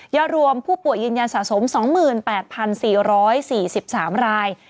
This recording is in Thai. รวมผู้ป่วยยืนยันสะสม๒๘๔๔๓ราย